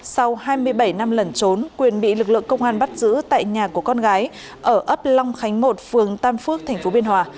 sau hai mươi bảy năm lẩn trốn quyền bị lực lượng công an bắt giữ tại nhà của con gái ở ấp long khánh một phường tam phước tp biên hòa